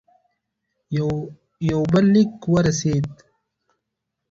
یو بل لیک ورسېدی.